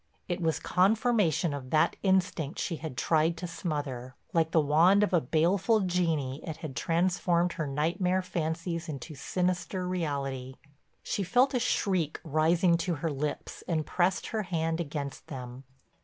It was confirmation of that instinct she had tried to smother; like the wand of a baleful genii it had transformed her nightmare fancies into sinister reality. She felt a shriek rising to her lips and pressed her hand against them.